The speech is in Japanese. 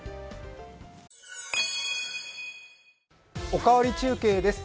「おかわり中継」です。